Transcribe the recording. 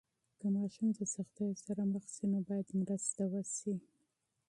که ماشوم د سختیو سره مخ سي، نو باید مرسته وسي.